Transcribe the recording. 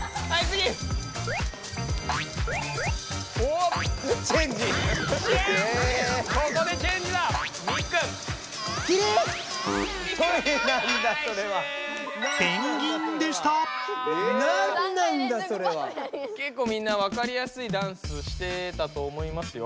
けっこうみんなわかりやすいダンスしてたと思いますよ。